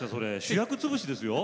主役潰しですよ。